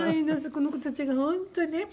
この子たちが本当にね。